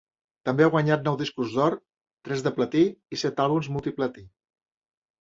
També ha guanyat nou discos d'or, tres de platí i set àlbums multi-platí.